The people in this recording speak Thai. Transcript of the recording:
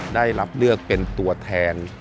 ได้รับเลือกเป็นตัวแทน